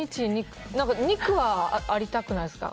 肉はありたくないですか？